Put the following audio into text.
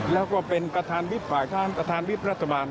และก็เป็นประธานวิทย์ฝ่ายทางประธานวิทย์รัฐบาล